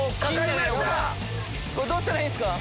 これどうしたらいいんですか⁉